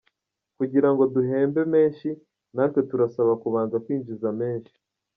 Kugira ngo duhembe menshi natwe turasabwa kubanza kwinjiza menshi.